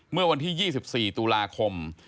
เมื่อวันที่๒๔ตุลาคม